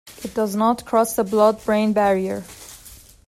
It does not cross the blood-brain barrier.